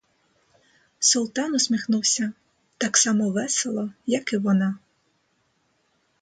Султан усміхнувся так само весело, як і вона.